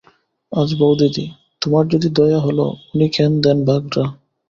আজ বউদিদি, তোমার যদি দয়া হল উনি কেন দেন বাগড়া।